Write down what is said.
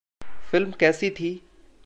Film कैसी थी?